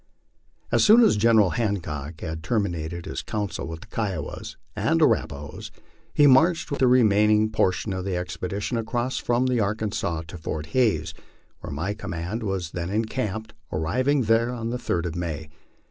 As soon as General Hancock had terminated his council with the Kiowas and Arrapahoes, he marched with the remaining portion of the expedition across from the Arkansas to Fort Hays, where my command was then encamped, ar riving there on the third of May.